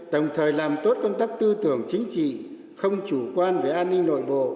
đồng thời làm tốt công tác tư tưởng chính trị không chủ quan về an ninh nội bộ